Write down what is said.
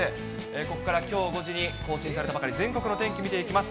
ここからきょう５時に更新されたばかり、全国の天気、見ていきます。